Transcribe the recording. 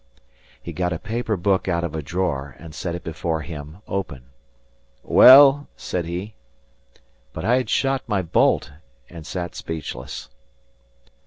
He got a paper book out of a drawer and set it before him open. "Well?" said he. But I had shot my bolt and sat speechless.